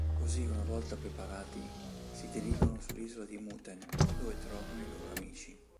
Così, una volta preparati, si dirigono sull'isola di Muten, dove trovano i loro amici.